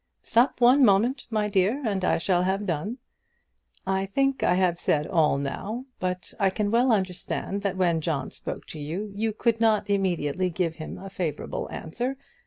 Stop one moment, my dear, and I shall have done. I think I have said all now; but I can well understand that when John spoke to you, you could not immediately give him a favourable answer.